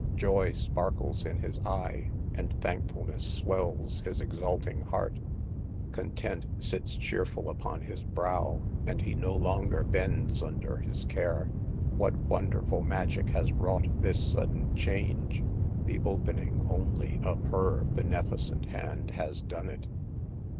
joy sparkles in his eye, and thankfulness swells his exulting heart; content sits cheerful upon his brow, and he no longer bends under his care: what wonderful magic has wrought this sudden change?—the opening only of her beneficent hand has done it.